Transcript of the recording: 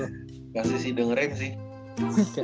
pasti sih dengerin sih